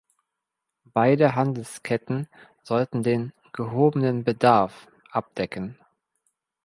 Beide Handelsketten sollten den „gehobenen Bedarf“ abdecken.